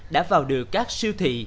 đã vào được các siêu thị